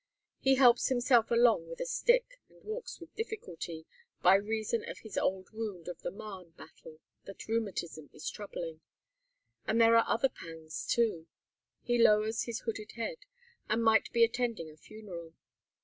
He helps himself along with a stick, and walks with difficulty, by reason of his old wound of the Marne battle that rheumatism is troubling; and there are other pangs, too. He lowers his hooded head, and might be attending a funeral.